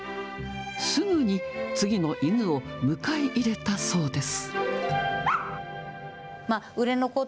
すぐに次の犬を迎え入れたそうです。